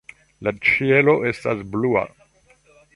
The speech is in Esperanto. La ĉielo estas blua.